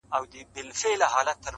زرکې څه لره، په خپل رفتار غره یې